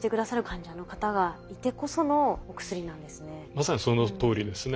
まさにそのとおりですね。